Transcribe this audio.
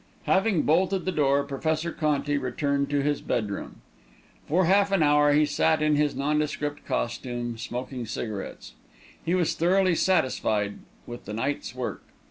Having bolted the door, Professor Conti returned to his bedroom. For half an hour he sat in his nondescript costume, smoking cigarettes. He was thoroughly satisfied with the night's work.